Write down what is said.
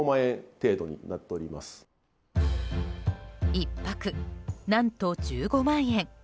１泊何と１５万円。